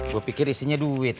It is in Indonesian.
gua pikir isinya duit